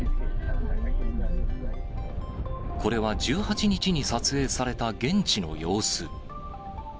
これは１８日に撮影された現地の様子。